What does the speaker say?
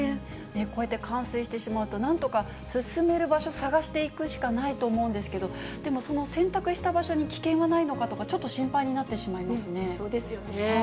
こうやって冠水してしまうと、なんとか進める場所探していくしかないと思うんですけど、でも、その選択した場所に危険がないのかとか、ちょっと心配になってしそうですよね。